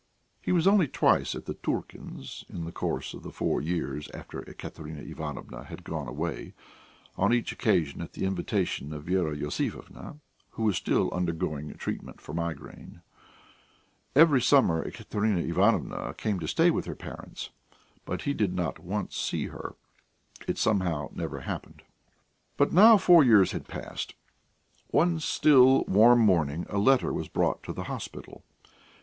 He was only twice at the Turkins' in the course of the four years after Ekaterina Ivanovna had gone away, on each occasion at the invitation of Vera Iosifovna, who was still undergoing treatment for migraine. Every summer Ekaterina Ivanovna came to stay with her parents, but he did not once see her; it somehow never happened. But now four years had passed. One still, warm morning a letter was brought to the hospital.